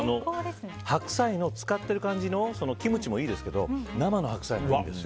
白菜の漬かっている感じのキムチもいいですけど生の白菜もいいですよ。